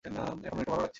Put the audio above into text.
এখন অনেকটা ভালো লাগছে।